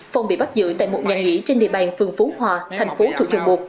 phong bị bắt giữ tại một nhà nghỉ trên địa bàn phường phú hòa thành phố thủ thường bột